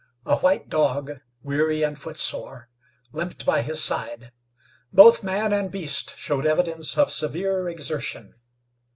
A white dog, weary and footsore, limped by his side. Both man and beast showed evidence of severe exertion.